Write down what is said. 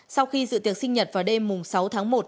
sau khi dự tiệc sinh nhật vào đêm sáu tháng một